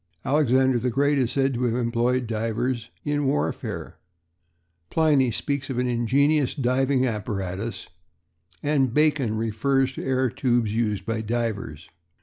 Alexander the Great is said to have employed divers in warfare; Pliny speaks of an ingenious diving apparatus, and Bacon refers to air tubes used by divers.